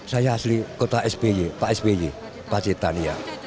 saya asli kota sby pak sby pak cetania